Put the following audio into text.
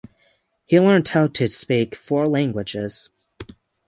He learnt how to speak four languages.